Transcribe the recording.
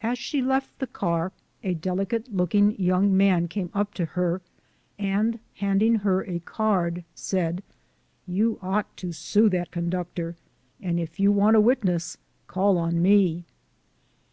As she left the car, a delicate looking young man LIFE OF HARRIET TUBMAX. 4:7 came up to her, and, handing her a card, said, " You ought to sue that conductor, and if you want a witness, call on me."